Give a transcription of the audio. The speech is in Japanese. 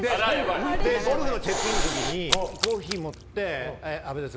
ゴルフのチェックインの時コーヒー持って阿部です